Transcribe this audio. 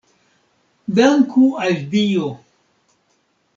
Danku al Dio!